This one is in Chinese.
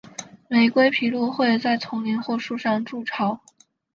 玫瑰琵鹭会在丛林或树上筑巢。